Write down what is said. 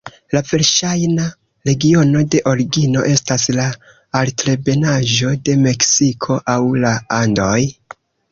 La verŝajna regiono de origino estas la altebenaĵo de Meksiko aŭ la Andoj.